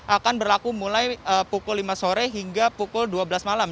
akan berlaku mulai pukul lima sore hingga pukul dua belas malam